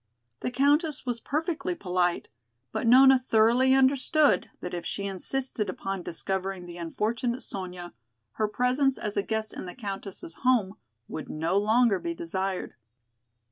The Countess was perfectly polite, but Nona thoroughly understood that if she insisted upon discovering the unfortunate Sonya, her presence as a guest in the Countess' home would no longer be desired.